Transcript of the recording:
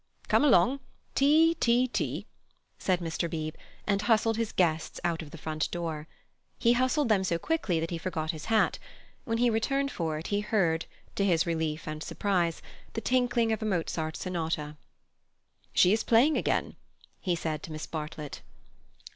"Come along; tea, tea, tea," said Mr. Beebe, and bustled his guests out of the front door. He hustled them so quickly that he forgot his hat. When he returned for it he heard, to his relief and surprise, the tinkling of a Mozart Sonata. "She is playing again," he said to Miss Bartlett.